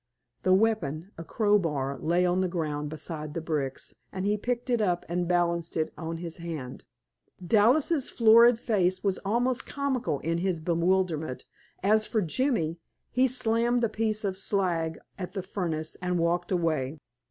The weapon, a crowbar, lay on the ground beside the bricks, and he picked it up and balanced it on his hand. Dallas' florid face was almost comical in his bewilderment; as for Jimmy he slammed a piece of slag at the furnace and walked away.